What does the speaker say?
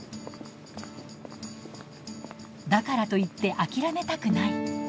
だからといって諦めたくない。